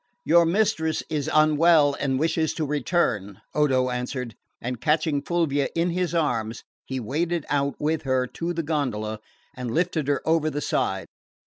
"Your mistress is unwell and wishes to return," Odo answered; and catching Fulvia in his arms he waded out with her to the gondola and lifted her over the side.